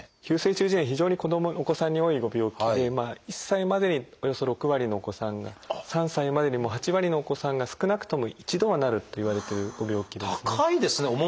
急性中耳炎非常にお子さんに多いご病気で１歳までにおよそ６割のお子さんが３歳までに８割のお子さんが少なくとも一度はなるといわれているご病気ですね。